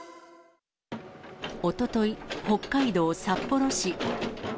おととい、北海道札幌市。